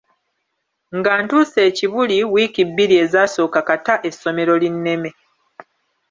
Nga ntuuse e Kibuli wiiki bbiri ezaasooka kata essomero linneme.